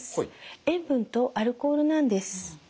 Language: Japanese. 塩分とアルコールなんです。